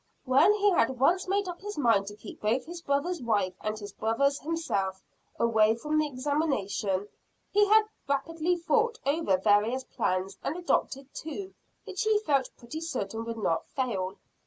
When he had once made up his mind to keep both his brother's wife and his brother himself, away from the examination, he had rapidly thought over various plans, and adopted two which he felt pretty certain would not fail.